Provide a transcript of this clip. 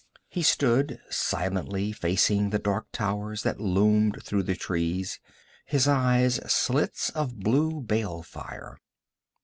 He stood silently facing the dark towers that loomed through the trees, his eyes slits of blue bale fire.